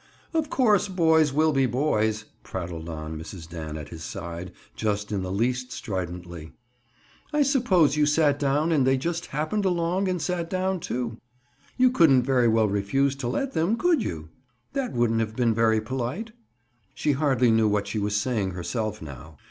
"Of course, boys will be boys," prattled Mrs. Dan at his side, just in the least stridently. "I suppose you sat down and they just happened along and sat down, too! You couldn't very well refuse to let them, could you? That wouldn't have been very polite?" She hardly knew what she was saying herself now.